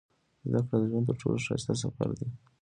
• زده کړه د ژوند تر ټولو ښایسته سفر دی.